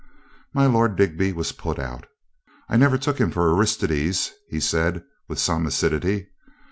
My Lord Digby was put out. "I never took him for Aristides," he said with some acidity.